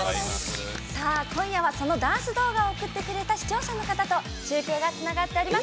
今夜はそのダンス動画を送ってくれた視聴者の方とつながっています！